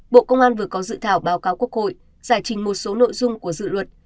bộ công an vừa có dự thảo báo cáo quốc hội giải trình một số nội dung của dự luật